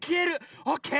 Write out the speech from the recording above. オーケー。